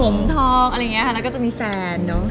ผมทอกค่ะแล้วก็ต้องมีแฟน